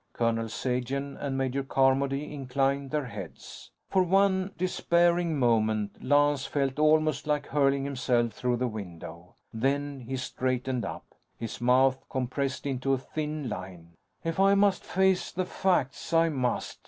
Colonel Sagen and Major Carmody inclined their heads. For one despairing moment, Lance felt almost like hurling himself through the window. Then, he straightened up. His mouth compressed into a thin line. "If I must face the facts, I must.